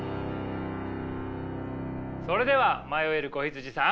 それでは迷える子羊さん。